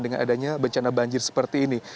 dengan adanya bencana banjir seperti ini